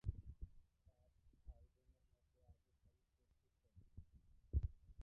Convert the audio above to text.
পাঁচ ভাইবোনের মধ্যে আবু সাঈদ চতুর্থ।